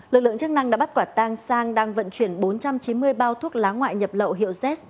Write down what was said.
lực lượng chức năng đã bắt quả tang sang đang vận chuyển bốn trăm chín mươi bao thuốc lá ngoại nhập lậu hiệu z